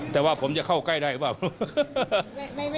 แต่ว่าผมจะเข้าใกล้ได้หรือเปล่า